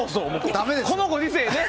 このご時世ね。